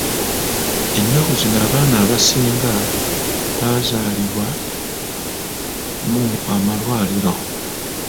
Ennaku zino abaana abasinga bazaalibwa mu amalwariro.